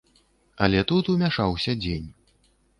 Але тут умяшаўся дзень.